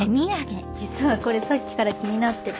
実はこれさっきから気になってた。